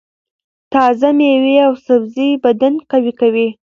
تازه مېوې او سبزۍ بدن قوي کوي.